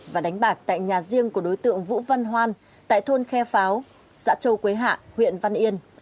và đánh bạc tại nhà riêng của đối tượng vũ văn hoan tại thôn khe pháo xã châu quế hạ huyện văn yên